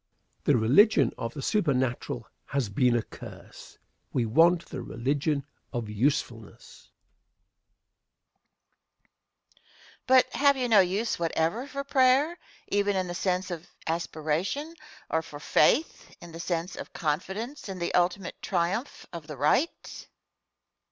The religion of the supernatural has been a curse. We want the religion of usefulness. Question. But have you no use whatever for prayer even in the sense of aspiration or for faith, in the sense of confidence in the ultimate triumph of the right?